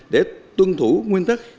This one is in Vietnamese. để tuân thủ nguyên tắc